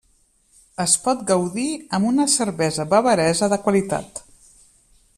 Es pot gaudir amb una cervesa bavaresa de qualitat.